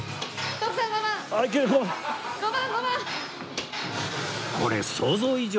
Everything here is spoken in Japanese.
徳さん１番！